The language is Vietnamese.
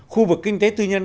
khu vực kinh tế tư nhân